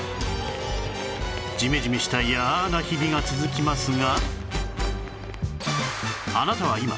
ジメジメした嫌な日々が続きますが